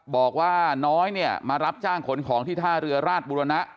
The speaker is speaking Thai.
บอกว่าน้อยเนี่ยมารับจ้างขนของที่ท่าเรือราชบุรณะ